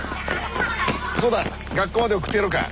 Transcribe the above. そうだ学校まで送ってやろうか。